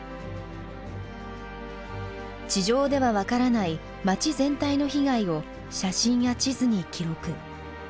地上では分からない町全体の被害を写真や地図に記録。